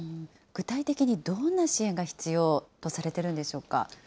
具体的にどんな支援が必要とされてるんでしょうか。